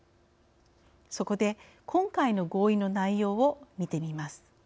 そこで今回の合意の内容をみてみます。